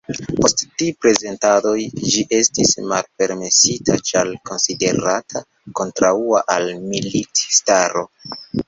Post tri prezentadoj ĝi estis malpermesita ĉar konsiderata kontraŭa al militistaro.